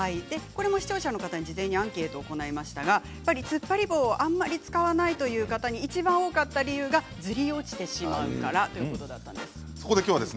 視聴者の方に事前にアンケートを行いましたがつっぱり棒をあまり使わないという方にいちばん多かった理由がずり落ちてしまうからということだったんです。